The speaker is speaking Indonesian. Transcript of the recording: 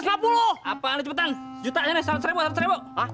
apaan cepetan juta aja nih sama serebok sama serebok